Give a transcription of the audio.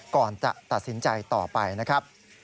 ก่อนจะตัดสินใจต่อไปนะครับ